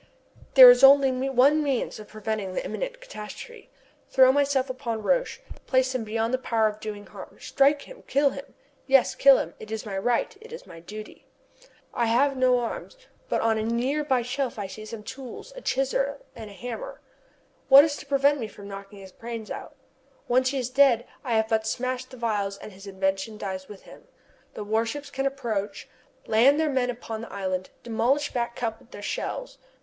There is only one means of preventing the imminent catastrophe. Throw myself upon Roch, place him beyond the power of doing harm strike him kill him yes, kill him! It is my right it is my duty! I have no arms, but on a near by shelf I see some tools a chisel and a hammer. What is to prevent me from knocking his brains out? Once he is dead I have but to smash the phials and his invention dies with him. The warships can approach, land their men upon the island, demolish Back Cup with their shells.